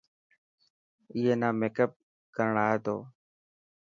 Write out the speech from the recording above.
ائي نا ميڪپ ڪرڻ آئي تو.